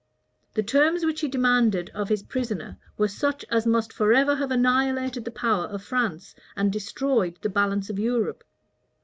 The terms which he demanded of his prisoner were such as must forever have annihilated the power of France, and destroyed the balance of Europe.